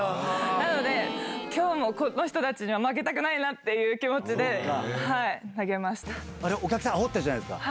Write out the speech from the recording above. なので、きょうもこの人たちには負けたくないなっていう気持ちであれ、お客さんあおったじゃないですか。